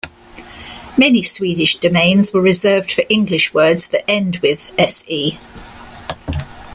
Many Swedish domains were reserved for English words that end with "se".